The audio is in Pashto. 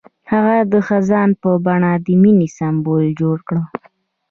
هغه د خزان په بڼه د مینې سمبول جوړ کړ.